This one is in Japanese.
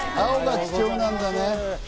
青が基調なんだね。